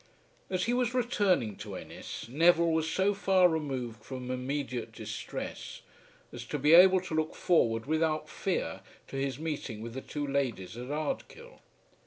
As he was returning to Ennis Neville was so far removed from immediate distress as to be able to look forward without fear to his meeting with the two ladies at Ardkill.